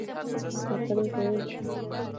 حقیقت ورته وویل شي.